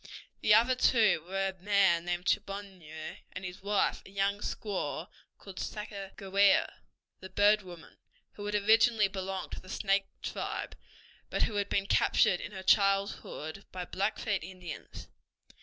The other two were a man named Chaboneau and his wife, a young squaw called Sacajawea, the "Bird woman," who had originally belonged to the Snake tribe, but who had been captured in her childhood by Blackfeet Indians.